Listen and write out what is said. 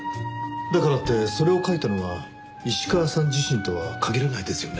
だからってそれを書いたのは石川さん自身とは限らないですよね？